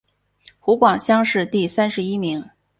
湖广乡试第三十一名。